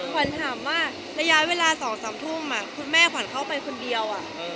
ควรถามว่า